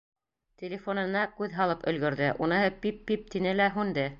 Телефонына күҙ һалып өлгөрҙө, уныһы «пип-пип» тине лә һүнде.